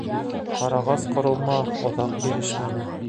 Ҡарағас ҡоролма оҙаҡ бирешмәне.